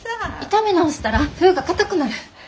炒め直したら麩がかたくなる。